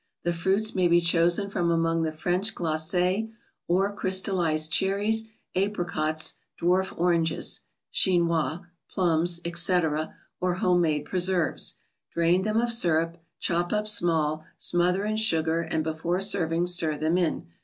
The fruits may be chosen from among the French glad or crystalized cherries, apricots, dwarf oranges (< chinois ), plums, etc., or home made preserves. Drain them of syrup, chop up small, smother in sugar, and, before serving, stir them in.